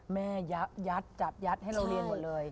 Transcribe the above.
แม่ยัดจับยัดให้เราเรียนหมดเลย